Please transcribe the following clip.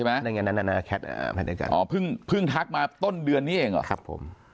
วันที่๕ป